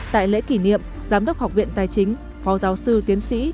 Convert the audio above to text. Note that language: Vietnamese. tại lễ kỷ niệm giám đốc học viện tài chính phó giáo sư tiến sĩ